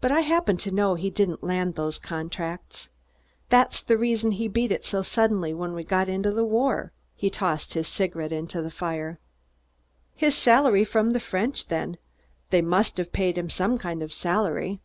"But I happen to know he didn't land those contracts. That's the reason he beat it so suddenly when we got into the war." He tossed his cigarette into the fire. "His salary from the French, then. They must have paid him some kind of salary."